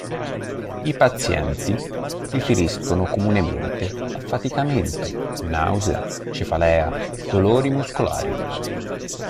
I pazienti riferiscono comunemente affaticamento, nausea, cefalea, dolori muscolari.